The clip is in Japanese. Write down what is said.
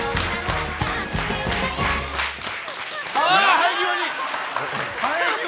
生え際に！